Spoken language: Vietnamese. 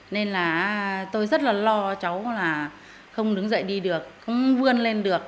nên là tôi rất là lo cháu là không đứng dậy đi được không vươn lên được